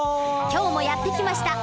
今日もやって来ました。